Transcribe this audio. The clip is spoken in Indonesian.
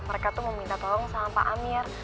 mereka tuh mau minta tolong sama pak amir